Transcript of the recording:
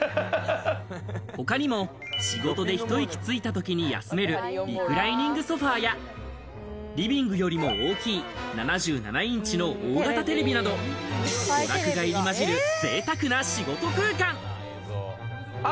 他にも仕事で一息ついたときに休めるリクライニングソファや、リビングよりも大きい７７インチの大型テレビなど、娯楽が入りまじる、ぜいたくな仕事空間。